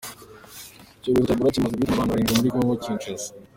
Icyorezo cya Ebola kimaze guhitana abantu barindwi muri kongo Kinshasa